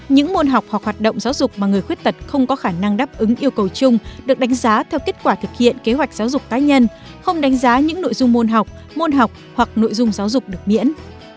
những môn học hoặc hoạt động giáo dục mà người khuyết tật không có khả năng đáp ứng yêu cầu chung được đánh giá theo kết quả thực hiện kế hoạch giáo dục cá nhân không đánh giá những nội dung môn học môn học hoặc nội dung giáo dục được miễn